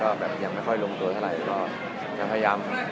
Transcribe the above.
ก็ยังไม่ค่อยลงโตสัดลาย